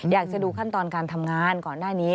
อยากจะดูขั้นตอนการทำงานก่อนหน้านี้